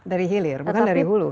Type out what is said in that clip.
dari hilir bukan dari hulu